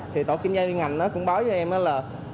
thì tổ kiểm tra viên ngành cũng báo cho em là